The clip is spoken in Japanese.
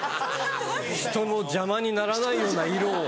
人の邪魔にならないような色を。